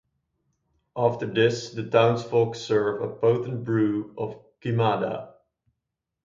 After this the townsfolk serve a potent brew of "Queimada".